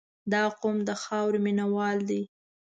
• دا قوم د خاورې مینه وال دي.